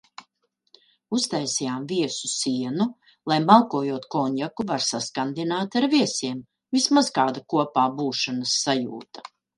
Uztaisījām viesu sienu, lai malkojot konjaku var saskandināt ar "viesiem", vismaz kāda kopābūšanas sajūta...